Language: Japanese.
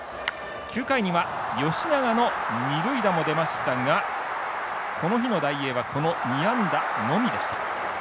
９回には吉永の二塁打も出ましたがこの日のダイエーはこの２安打のみでした。